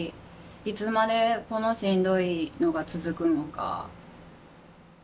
いつまでこのしんどいのが続くのか。